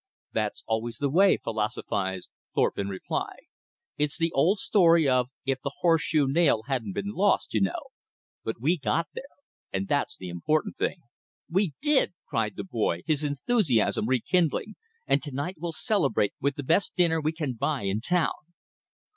"That's always the way," philosophized Thorpe in reply. "It's the old story of 'if the horse shoe nail hadn't been lost,' you know. But we got there; and that's the important thing." "We did!" cried the boy, his enthusiasm rekindling, "and to night we'll celebrate with the best dinner we ran buy in town!"